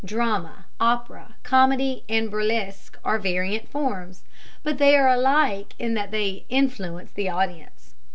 Drama, opera, comedy, and burlesque are variant forms, but they are alike in that they influence the audience.